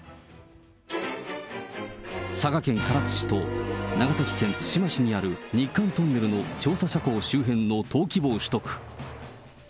佐賀県唐津市と長崎県対馬市にある日韓トンネルの調査斜坑周辺の登記簿を取得。